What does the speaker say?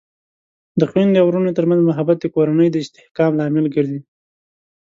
د خویندو او ورونو ترمنځ محبت د کورنۍ د استحکام لامل ګرځي.